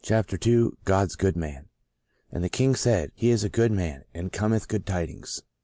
II GOD'S GOOD MAN « And the King said, He is a good man, and cometh with good tidings."